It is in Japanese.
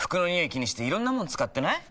気にしていろんなもの使ってない？